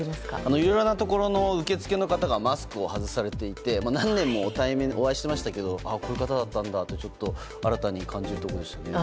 いろいろなところの受付の方がマスクを外されていて何年も対面してお会いしてましたけどこういう方だったんだと改めて感じました。